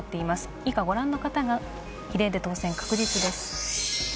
以下御覧の方が比例で当選確実です。